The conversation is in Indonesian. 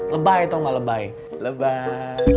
lebay tau gak lebay lebay